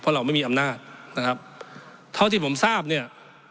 เพราะเราไม่มีอำนาจนะครับเท่าที่ผมทราบเนี่ย